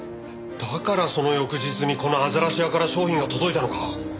だからその翌日にこのあざらし屋から商品が届いたのか。